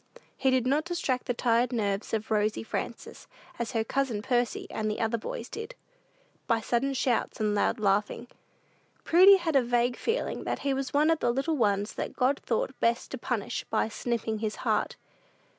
He did not distract the tired nerves of "Rosy Frances," as her cousin Percy and other boys did, by sudden shouts and loud laughing. Prudy had a vague feeling that he was one of the little ones that God thought best to punish by "snipping his heart."